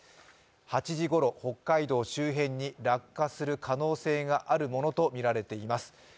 ８時ごろ北海道周辺に落下する可能性があるものとみられています。